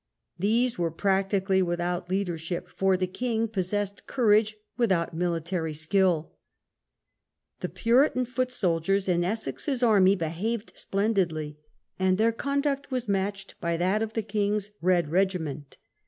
These were practically without leadership, for the king possessed courage without military skill. The Puritan foot soldiers in Essex's army behaved splendidly, and their conduct was matched by that of the king's "Red Regiment".